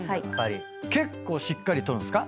結構しっかり取るんですか？